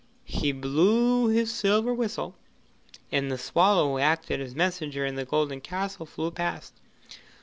He blew his silver whistle, and the swallow who acted as messenger in the golden castle flew past.